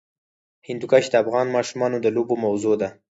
هندوکش د افغان ماشومانو د لوبو موضوع ده.